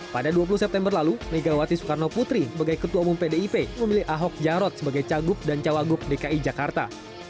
pada dua puluh september lalu megawati soekarno putri sebagai ketua umum pdip memilih ahok jarot sebagai cagup dan cawagup dki jakarta